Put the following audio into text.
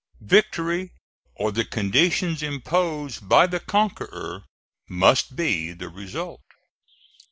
Victory, or the conditions imposed by the conqueror must be the result.